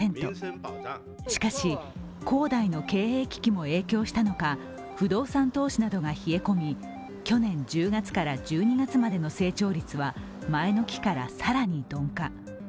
しかし、恒大の経営危機も影響したのか、不動産投資などが冷え込み去年１０月から１２月までの成長率は前の期から、更に鈍化。